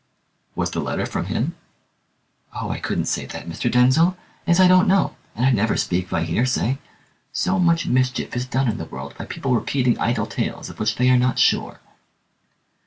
"Was the letter from him?" "Oh, I couldn't say that, Mr. Denzil, as I don't know, and I never speak by hearsay. So much mischief is done in the world by people repeating idle tales of which they are not sure."